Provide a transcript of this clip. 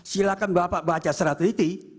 silahkan bapak baca serat liti